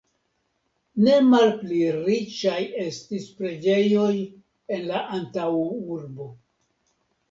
Ne malpli riĉaj estis preĝejoj en la antaŭurbo.